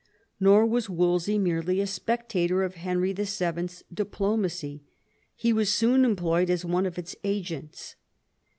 Nor was Wolsey merely a spectator of Henry VII. 's diplomacy ; he was soon employed as one of its agents.